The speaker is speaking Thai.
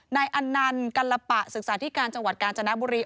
อันนันต์กัลปะศึกษาธิการจังหวัดกาญจนบุรี